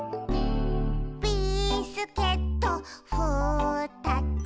「ビスケットふたつ」